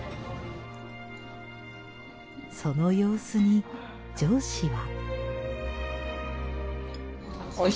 その様子に上司は。